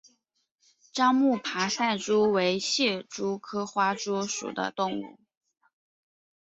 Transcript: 樟木爬赛蛛为蟹蛛科花蛛属的动物。